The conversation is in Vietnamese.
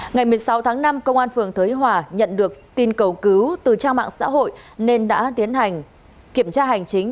ngày một mươi sáu tháng năm công an phường thới hòa nhận được tin cầu cứu từ trang mạng xã hội nên đã tiến hành kiểm tra hành chính